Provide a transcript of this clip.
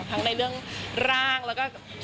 ทั้งในเรื่องร่างแล้วก็